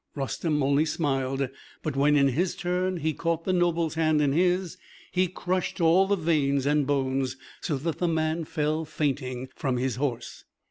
Rustem only smiled; but when in his turn he caught the noble's hand in his, he crushed all the veins and bones, so that the man fell fainting from his horse.